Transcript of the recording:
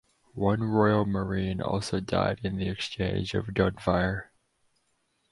One Royal Marine also died in the exchange of gunfire.